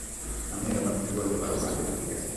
আমি এরকম কিছু বলতে পারব না যেটা ঠিক আছে।